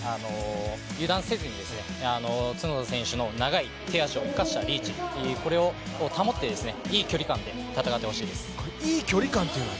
油断せずに、角田選手の長い手足を生かしたリーチを保っていい距離感で戦ってほしいです。